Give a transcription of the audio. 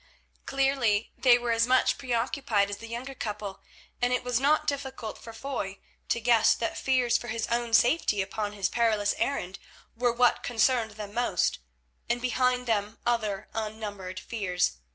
Clearly they were as much preoccupied as the younger couple, and it was not difficult for Foy to guess that fears for his own safety upon his perilous errand were what concerned them most, and behind them other unnumbered fears.